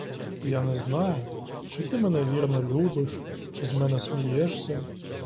Я не знаю, чи ти мене вірно любиш, чи з мене смієшся.